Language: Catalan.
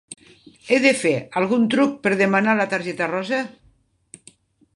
He de fer algun truc per demanar la targeta rosa?